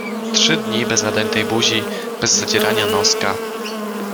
Trzy dni bez nadętej buzi, bez zadzierania noska.